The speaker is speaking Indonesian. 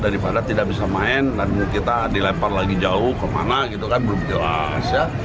daripada tidak bisa main dan kita dilempar lagi jauh kemana gitu kan belum jelas ya